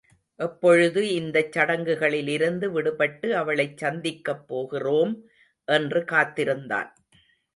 எப்பொழுது இந்தச் சடங்குகளிலிருந்து விடுபட்டு அவளைச் சந்திக்கப் போகிறோம் என்று காத்திருந்தான்.